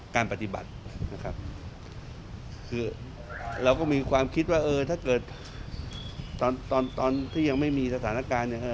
การปฏิบัตินะครับคือเราก็มีความคิดว่าเออถ้าเกิดตอนตอนที่ยังไม่มีสถานการณ์เนี่ย